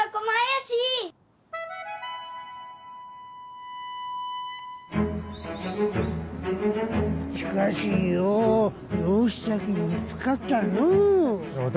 しかしよう養子先見つかったのう正体